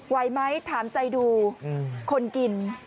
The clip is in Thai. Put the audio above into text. ไหวไหมถามใจดูคนกิน